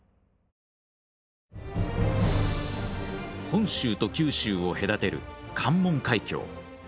本州と九州を隔てる関門海峡。